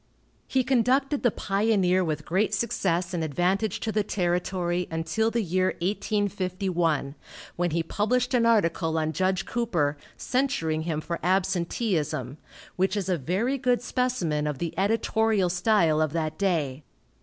He conducted the Pioneer with great success and advantage to the territory until the year 1851, when he published an article on Judge Cooper, censuring him for absenteeism, which is a very good specimen of the editorial style of that day.